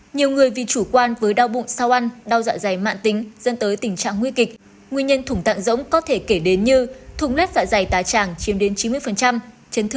nhiều người vì chủ quan với đau bụng sau ăn đau dạ dày mạng tính dân tới tình trạng nguy kịch